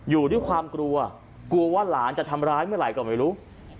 อยู่ด้วยความกลัวกลัวว่าหลานจะทำร้ายเมื่อไหร่ก็ไม่รู้